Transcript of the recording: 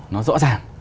nó rõ ràng